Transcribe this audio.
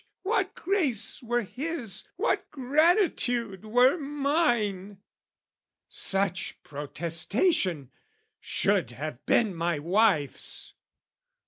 "What grace were his, what gratitude were mine!" Such protestation should have been my wife's.